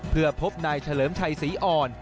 เพื่อพบนายเฉลิมชัยศรีอ่อน